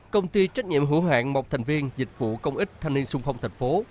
công ty trách nhiệm hữu hạn một thành viên dịch vụ công ích thanh niên xuân phong thành phố